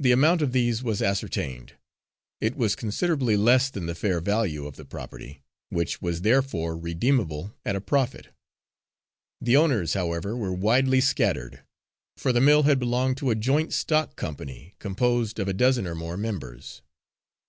The amount of these was ascertained; it was considerably less than the fair value of the property, which was therefore redeemable at a profit. The owners, however, were widely scattered, for the mill had belonged to a joint stock company composed of a dozen or more members.